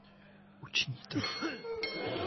Učiní to nyní?